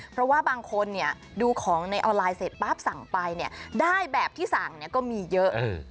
เพราะว่าบางคนดูของในออนไลน์เสร็จปั๊บสั่งไปได้แบบที่สั่งก็มีเยอะ